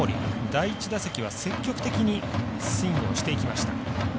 第１打席は積極的にスイングをしていきました。